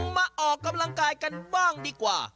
มาออกกำลังกายกันบ้างดีกว่า